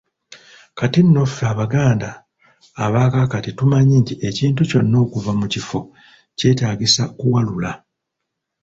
Kati no ffe Abaganda abakaakati tumanyi nti ekintu kyonna okuva mu kifo kyetaagisa kuwalula.